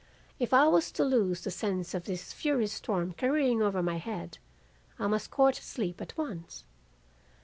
If I was to lose the sense of this furious storm careering over my head, I must court sleep at once.